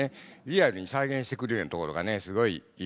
リアルに再現してくれるようなところがねすごいいいところで。